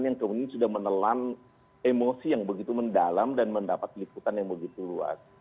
yang kemudian sudah menelan emosi yang begitu mendalam dan mendapat liputan yang begitu luas